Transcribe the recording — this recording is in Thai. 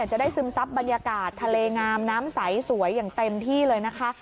จะได้ซึมซับบรรยากาศทะเลงามน้ำใสสวยอย่างเต็มที่เลยนะคะ